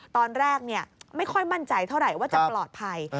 ตอนแรกไม่ค่อยมั่นใจเท่าไหร่ว่าจะปลอดภัย